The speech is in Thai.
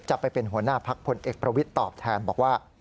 จะเป็นหัวหน้าพักพลเอกประวิทย์ตอบแทนบอกว่า